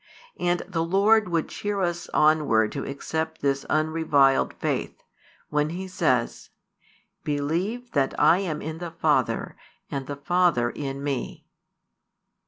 And the Lord would cheer us onward to accept this unreviled faith, when he says: Believe that I am in the Father, and the Father in Me.